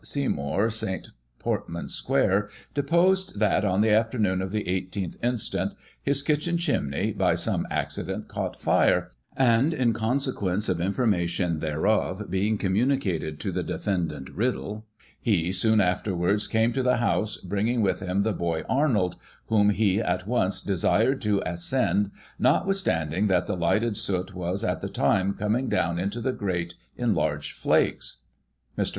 Seymour St, Portman Sq., deposed that, on the afternoon of the i8th instant, his kitchen chimney, by some accident, caught fire ; and, in consequence of information thereof being communicated to the defendant Riddle, he, soon afterwards, came to the house, bringing with him the boy Arnold, whom he, at once, desired to ascend, notwithstanding that the lighted soot was, at the time, coming down into the grate in large flakes. Mr.